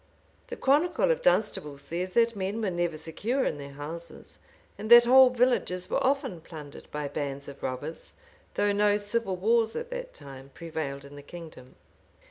The Chronicle of Dunstable says,[] that men were never secure in their houses, and that whole villages were often plundered by bands of robbers, though no civil wars at that time prevailed in the kingdom. *M.